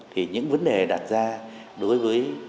thì những vấn đề đặt ra đối với